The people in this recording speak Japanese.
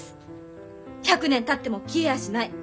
１００年たっても消えやしない。